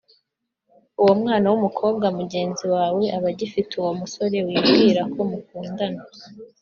uwo mwana w’umukobwa mugenzi wawe aba agifite uwo musore wibwira ko mukundana